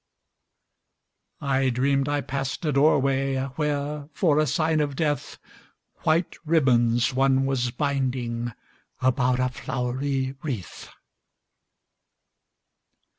I dreamed I passed a doorwayWhere, for a sign of death, White ribbons one was bindingAbout a flowery wreath.